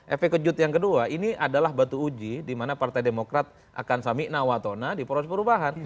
efek kejut yang kedua ini adalah batu uji di mana partai demokrat akan samikna watona di poros perubahan